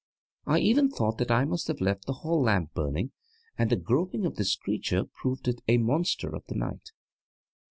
I even thought that I must have left the hall lamp burning and the groping of this creature proved it a monster of the night.